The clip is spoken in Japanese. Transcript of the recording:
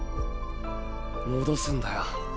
戻すんだよ。